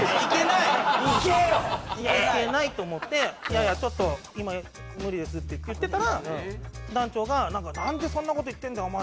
行けないと思って「いやいやちょっと今無理です」って言ってたら団長が「なんでそんな事言ってるんだよお前！